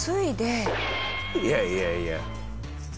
いやいやいや。